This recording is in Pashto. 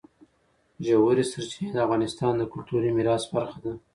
ژورې سرچینې د افغانستان د کلتوري میراث برخه ده.